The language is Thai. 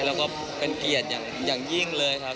แล้วก็เป็นเกียรติอย่างยิ่งเลยครับ